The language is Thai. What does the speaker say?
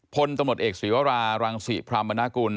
พลตำรวจเอกศรีวรารังศรีพรรมบรรณกุล